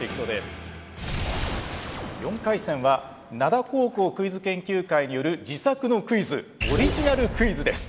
４回戦は灘高校クイズ研究会による自作のクイズオリジナルクイズです。